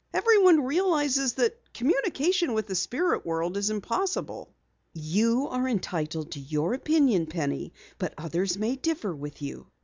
Everyone realizes that communication with the spirit world is impossible!" "You are entitled to your opinion, Penny, but others may differ with you.